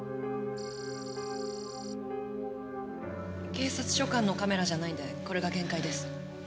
警察所管のカメラじゃないんでこれが限界です。